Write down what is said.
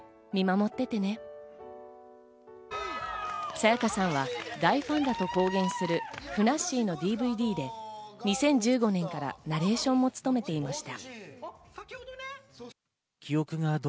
沙也加さんは大ファンだと公言するふなっしーのＤＶＤで２０１５年からナレーションを務めていました。